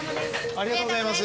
ありがとうございます。